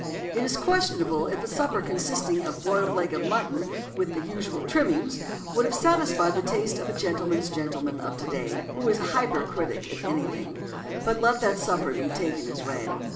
It is questionable if a supper consisting of a boiled leg of mutton "with the usual trimmings" would have satisfied the taste of the "gentleman's gentleman" of to day, who is a hypercritic, if anything; but let that supper be taken as read.